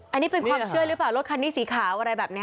อันนี้เป็นความเชื่อหรือเปล่ารถคันนี้สีขาวอะไรแบบนี้